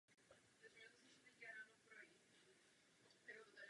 Všichni tito členové Spolu měli společný cíl a to realizovat Program obnovy vesnice.